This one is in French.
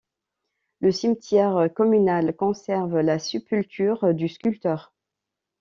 Le cimetière communal conserve la sépulture du sculpteur.